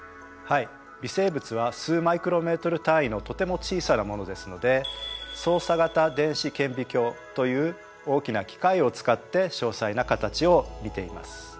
微生物は数マイクロメートル単位のとても小さなものですので走査型電子顕微鏡という大きな機械を使って詳細な形を見ています。